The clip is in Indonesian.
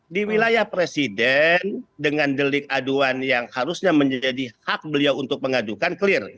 di wilayah presiden dengan delik aduan yang harusnya menjadi hak beliau untuk mengadukan clear